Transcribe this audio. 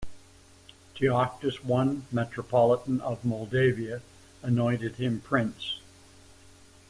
Teoctist I, Metropolitan of Moldavia, anointed him prince.